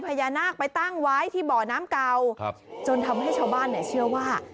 พญานาคไปตั้งไว้ที่บ่อน้ำเก่าจนทำให้ชาวบ้านเนี่ยเชื่อว่า